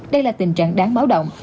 đây là tình trạng đáng báo động